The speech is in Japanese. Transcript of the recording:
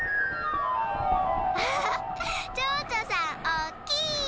アハハちょうちょさんおっきい！